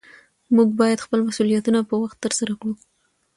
موږ باید خپل مسؤلیتونه په وخت ترسره کړو